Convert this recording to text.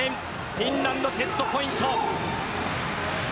フィンランド、セットポイント。